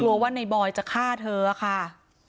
กลัวว่าในบอยจะฆ่าเธอค่ะ